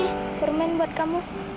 ini permen buat kamu